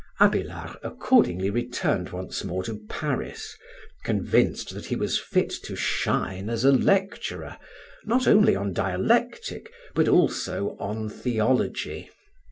Abélard accordingly returned once more to Paris, convinced that he was fit to shine as a lecturer, not only on dialectic, but also on theology.